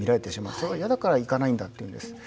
それは嫌だから行かないんだというのです。